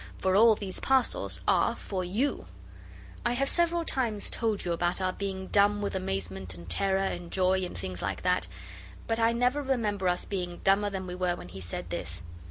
'For all these parcels are for you.' I have several times told you about our being dumb with amazement and terror and joy, and things like that, but I never remember us being dumber than we were when he said this.